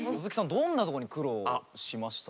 どんなとこに苦労をしました？